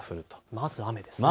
まず雨です。